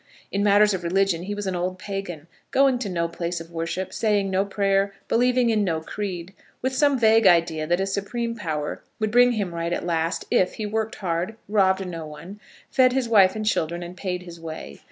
In matters of religion he was an old Pagan, going to no place of worship, saying no prayer, believing in no creed, with some vague idea that a supreme power would bring him right at last, if he worked hard, robbed no one, fed his wife and children, and paid his way.